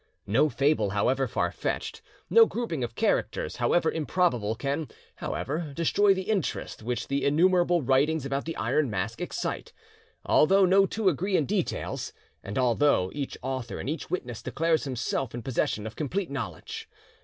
No fable however far fetched, no grouping of characters however improbable, can, however, destroy the interest which the innumerable writings about the Iron Mask excite, although no two agree in details, and although each author and each witness declares himself in possession of complete knowledge.